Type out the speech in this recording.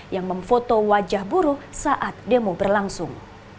yang memfoto wajah buruh saat demo berlangsung